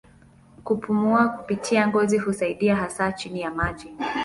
Kupumua kupitia ngozi husaidia hasa chini ya maji.